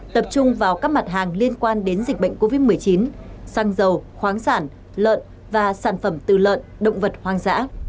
tập trung vào các mặt hàng liên quan đến dịch bệnh covid một mươi chín xăng dầu khoáng sản lợn và sản phẩm từ lợn động vật hoang dã